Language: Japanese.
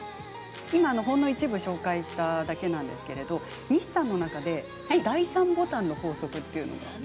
今、ほんの一部を紹介しただけなんですけれど西さんの中で第３ボタンの法則っていうのが。